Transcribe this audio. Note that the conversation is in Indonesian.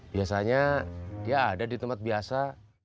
biasanya dia ada di tempat biasa